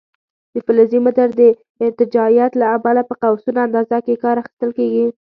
د فلزي متر د ارتجاعیت له امله په قوسونو اندازه کې کار اخیستل کېږي.